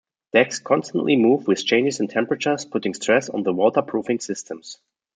Decks constantly move with changes in temperatures, putting stress on the waterproofing systems.